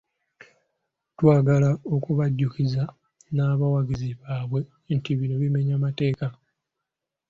Twagala okubajjukiza n'abawagizi baabwe nti, bino bimenya mateeka.